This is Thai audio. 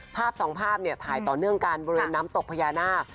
ภาพสองภาพเนี่ยถ่ายต่อเนื่องกันบริเวณน้ำตกพญานาค